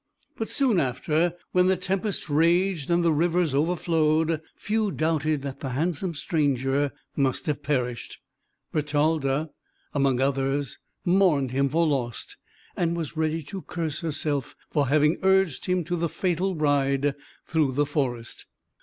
But soon after, when the tempest raged and the rivers overflowed, few doubted that the handsome stranger must have perished. Bertalda, among others, mourned him for lost, and was ready to curse herself, for having urged him to the fatal ride through the forest.